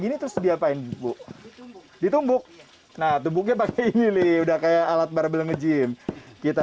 gini terus diapain bu ditumbuk nah tubuhnya pakai ini udah kayak alat barbel ngejim kita